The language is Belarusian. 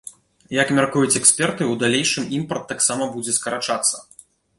Як мяркуюць эксперты, у далейшым імпарт таксама будзе скарачацца.